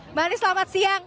mbak anies selamat siang